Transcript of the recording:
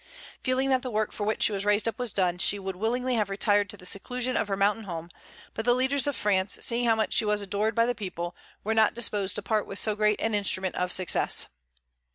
Feeling that the work for which she was raised up was done, she would willingly have retired to the seclusion of her mountain home, but the leaders of France, seeing how much she was adored by the people, were not disposed to part with so great an instrument of success.